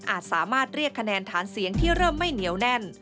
สามารถเรียกคะแนนฐานเสียงที่เริ่มไม่เหนียวแน่น